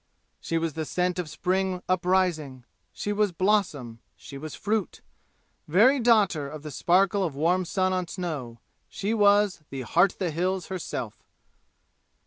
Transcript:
She was the scent of spring uprising. She was blossom. She was fruit! Very daughter of the sparkle of warm sun on snow, she was the "Heart of the Hills" herself!